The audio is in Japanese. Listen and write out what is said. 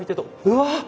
うわ！